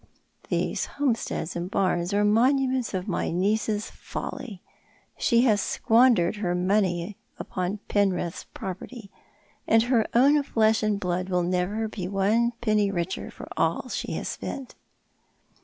" Those homesteads and barns are monuments of my niece's folly. 8he has squandered her money upon Penrith's property ; and her own flesh and blood will never be one penny richer for all she has spent."